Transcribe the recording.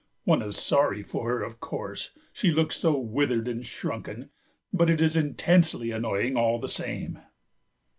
One is sorry for her, of course, she looks so withered and shrunken, but it is intensely annoying all the same."